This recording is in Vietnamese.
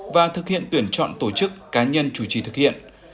và thực hiện tuyển chọn tổ chức cá nhân chủ trì thực hiện